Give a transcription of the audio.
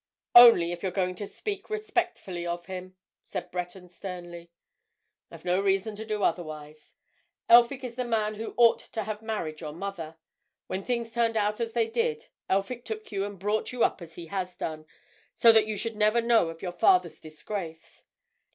"Only if you are going to speak respectfully of him," said Breton sternly. "I've no reason to do otherwise. Elphick is the man who ought to have married your mother. When things turned out as they did, Elphick took you and brought you up as he has done, so that you should never know of your father's disgrace.